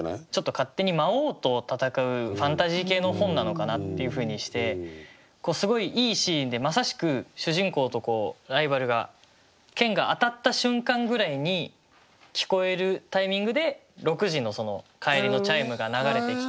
勝手に魔王と戦うファンタジー系の本なのかなっていうふうにしてすごいいいシーンでまさしく主人公とライバルが剣が当たった瞬間ぐらいに聞こえるタイミングで６時の帰りのチャイムが流れてきて。